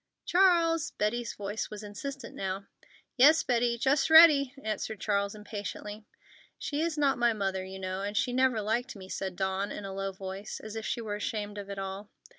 "Charles!" Betty's voice was insistent now. "Yes, Betty. Just ready," answered Charles impatiently. "She is not my mother, you know, and she never liked me," said Dawn, in a low voice, as if she were ashamed of it all.